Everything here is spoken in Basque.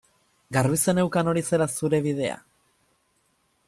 Garbi zeneukan hori zela zure bidea?